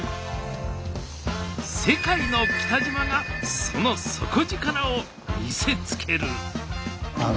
世界の北島がその底力を見せつける！